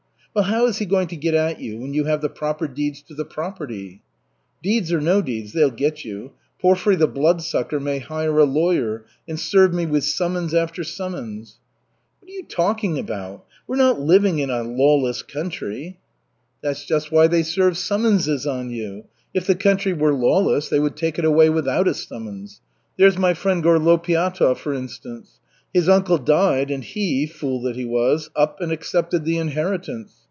"Well, how is he going to get at you when you have the proper deeds to the property?" "Deeds or no deeds, they'll get you. Porfiry the Bloodsucker may hire a lawyer and serve me with summons after summons." "What are you talking about! We're not living in a lawless country." "That's just why they serve summonses on you. If the country were lawless, they would take it away without a summons. There's my friend Gorlopiatov, for instance. His uncle died and he, fool that he was, up and accepted the inheritance.